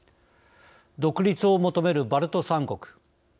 独立を求めるバルト三国。